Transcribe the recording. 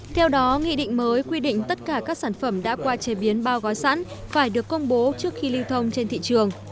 theo đó nghị định mới quy định tất cả các sản phẩm đã qua chế biến bao gói sẵn phải được công bố trước khi lưu thông trên thị trường